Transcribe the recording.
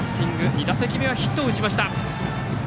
２打席目はヒットを打ちました。